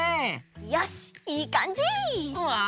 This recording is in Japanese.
よしいいかんじ！わい！